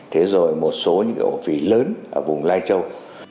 thế rồi một số những cái ổ phí lớn ở vùng lai châu